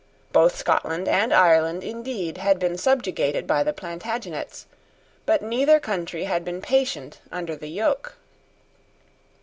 Both Scotland and Ireland, indeed, had been subjugated by the Plantagenets; but neither country had been patient under the yoke.